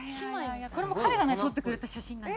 これも彼が撮ってくれた写真なんですよ。